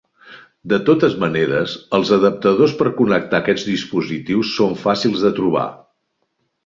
De totes maneres, els adaptadors per connectar aquests dispositius són fàcils de trobar.